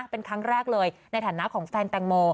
เป็นครั้งแรกเลยในฐานะของแฟนแตงโม